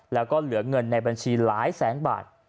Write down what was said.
แล้วก็เหลือเงินในบัญชีหลายแสนบาท